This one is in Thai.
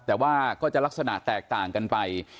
แต่ว่าก็จะลักษณะแตกต่างกันไป